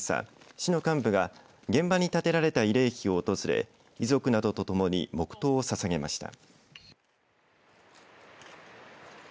市の幹部が現場に建てられた慰霊碑を訪れ遺族などと共に黙とうを捧げました。